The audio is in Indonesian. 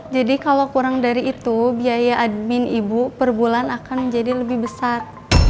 jadi kalau kurang dari itu biaya admin ibu per bulan akan menjadi lebih besar